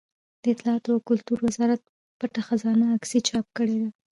د اطلاعاتو او کلتور وزارت پټه خزانه عکسي چاپ کړې ده.